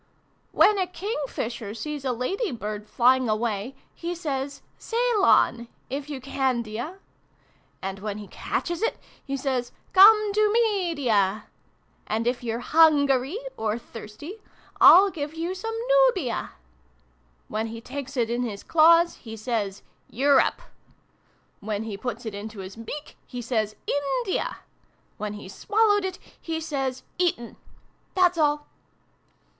" When a King fisher sees a Lady bird flying away, he says ' Ceylon, if you Candia /' And when he catches it, he says ' Come to Media ! And if you're Hungary or thirsty, I'll give you some Nubia /' When he takes it in his claws, he says ' Europe !' When he puts it into his beak, he says ' India !' When he's swallowed it, he says ' Eton /' That's all."